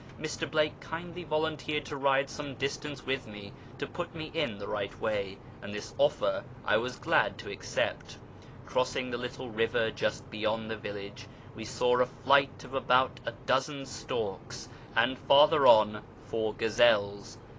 Mr. Blake kindly volunteered to ride some distance with me to put me in the right way, and this offer I was glad to accept. Crossing the little river just beyond the village we saw a flight of about a dozen storks, and farther on four gazelles.